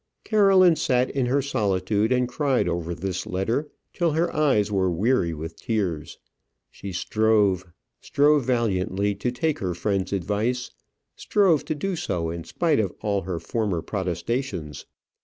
Caroline sat in her solitude and cried over this letter till her eyes were weary with tears. She strove, strove valiantly to take her friend's advice; strove to do so in spite of all her former protestations.